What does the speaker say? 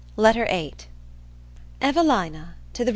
LETTER VIII EVELINA TO THE REV.